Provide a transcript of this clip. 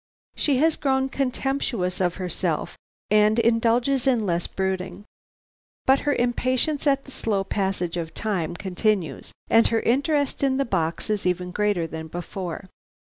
She has grown contemptuous of herself and indulges less in brooding. But her impatience at the slow passage of time continues, and her interest in the box is even greater than before.